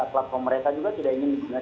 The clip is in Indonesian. platform mereka juga tidak ingin